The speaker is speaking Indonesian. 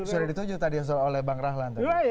sudah dituju tadi soal oleh bang ralan tadi